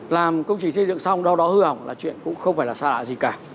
làm công trình xây dựng xong đâu đó hư hỏng là chuyện cũng không phải là xa lạ gì cả